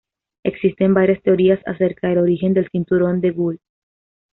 Existen varias teorías acerca del origen del cinturón de Gould.